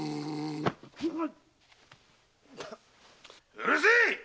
・うるせえっ！